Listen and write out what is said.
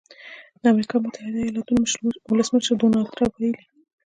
د امریکا متحده ایالتونو ولسمشر ډونالډ ټرمپ ویلي